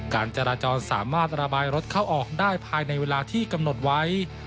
การจราจรสามารถระบายรถเข้าออกได้ภายในเวลาที่กำหนดไว้